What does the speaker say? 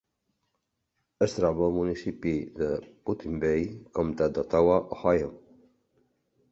Es troba al municipi de Put-in-Bay, comtat d'Ottawa, Ohio.